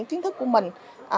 kiến thức của mình